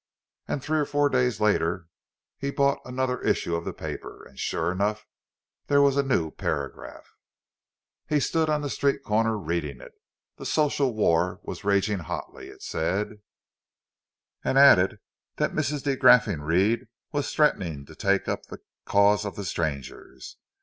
And three or four days later he bought another issue of the paper, and sure enough, there was a new paragraph! He stood on the street corner reading it. The social war was raging hotly, it said; and added that Mrs. de Graffenried was threatening to take up the cause of the strangers.